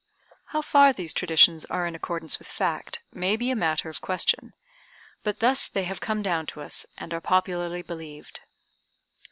How far these traditions are in accordance with fact may be a matter of question, but thus they have come down to us, and are popularly believed.